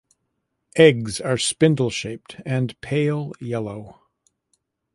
Eggs are spindle shaped and pale yellow.